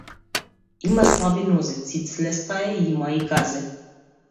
Има слаби нозе, цицлеста е, има и газе.